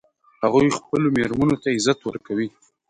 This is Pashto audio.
هغوی خپلو میرمنو ته عزت ورکوي